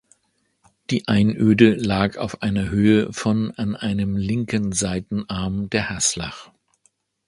Die Einöde lag auf einer Höhe von an einem linken Seitenarm der Haßlach.